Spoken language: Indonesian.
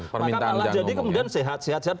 maka kalah jadi kemudian sehat sehat